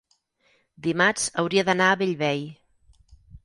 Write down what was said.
dimarts hauria d'anar a Bellvei.